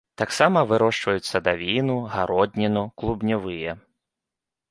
Таксама вырошчваюць садавіну, гародніну, клубневыя.